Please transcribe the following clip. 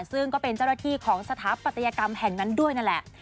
ซึ่งก็เป็นเจ้าหน้าที่ของสถาปัตยกรรมแห่งนั้นด้วยนั่นแหละ